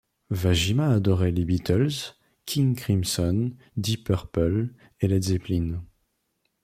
Wajima adorait les Beatles, King Crimson, Deep Purple, et Led Zeppelin.